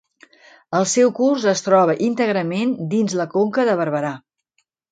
El seu curs es troba íntegrament dins la Conca de Barberà.